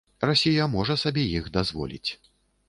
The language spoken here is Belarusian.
Расія можа сабе іх дазволіць.